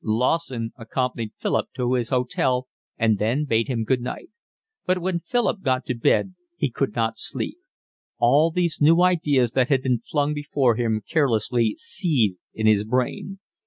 Lawson accompanied Philip to his hotel and then bade him good night. But when Philip got to bed he could not sleep. All these new ideas that had been flung before him carelessly seethed in his brain.